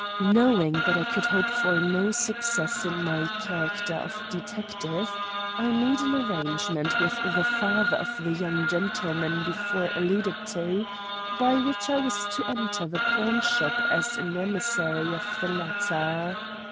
"Knowing that I could hope for no success in my character of detective, I made an arrangement with the father of the young gentleman before alluded to, by which I was to enter the pawn shop as an emissary of the latter.